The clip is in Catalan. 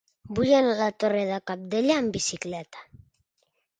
Vull anar a la Torre de Cabdella amb bicicleta.